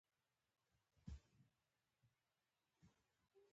پیلوټ د حق لور ته الوت کوي.